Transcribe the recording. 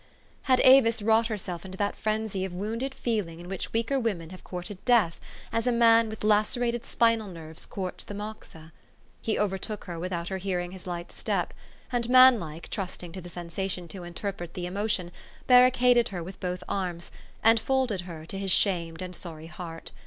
Had Avis wrought herself into that frenzy of wounded feeling in which weaker women have courted death, as a man with lacerated spinal nerves courts the moxa? He overtook her without her hearing his light step, and, man like, trusting to the sensation to interpret the emotion, barricaded her with both arms, and folded her to his shamed and sorry heart.